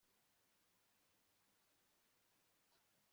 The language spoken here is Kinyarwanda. kandi ntugafatane uburemere impano yurukundo nubushobozi bwo gutanga